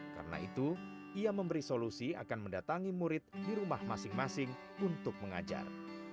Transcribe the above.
karena itu ia memberi solusi akan mendatangi murid di rumah masing masing untuk mengajar